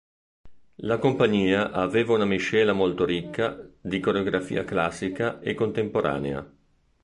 La compagnia aveva una miscela molto ricca di coreografia classica e contemporanea.